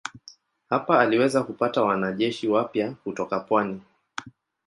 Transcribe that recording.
Hapa aliweza kupata wanajeshi wapya kutoka pwani.